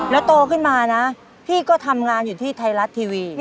แล้วโตขึ้นมานะพี่ก็ทำงานอยู่ที่ไทยรัฐทีวี